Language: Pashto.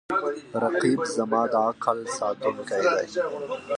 رقیب زما د عقل ساتونکی دی